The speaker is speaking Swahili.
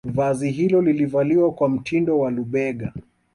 Vazi hilo lilivaliwa kwa mtindo wa lubega